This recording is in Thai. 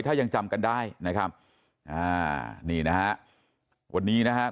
ถ้ายังจำกันได้นะครับอ่านี่นะฮะวันนี้นะครับ